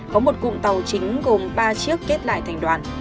có một cụm tàu chính gồm ba chiếc kết lại thành đoàn